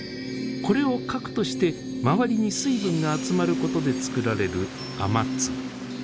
これを核として周りに水分が集まることでつくられる雨粒。